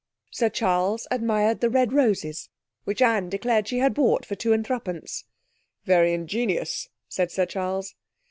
Sir Charles admired the red roses, which Anne declared she had bought for two and threepence. 'Very ingenious,' said Sir Charles.